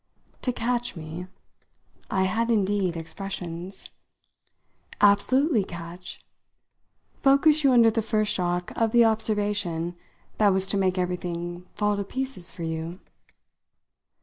"To 'catch' me?" I had indeed expressions! "Absolutely catch! Focus you under the first shock of the observation that was to make everything fall to pieces for you."